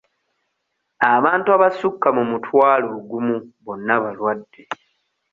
Abantu abasukka mu mutwalo ogumu bonna balwadde.